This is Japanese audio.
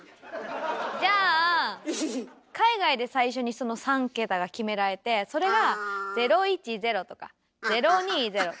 海外で最初にその３桁が決められてそれが「０１０」とか「０２０」